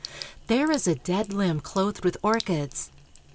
There is a dead limb clothed with orchids.